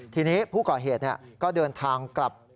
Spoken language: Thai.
ทีนี้ผู้ก่อเหตุก็เดินทางกลับ